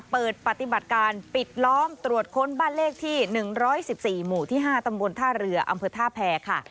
เปิดปฏิบัติการปิดล้อมตรวจค้นบ้านเลขที่๑๑๔หมู่ที่๕ตำบลท่าเรืออำเภอท่าแพรค่ะ